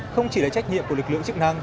không chỉ là trách nhiệm của lực lượng chức năng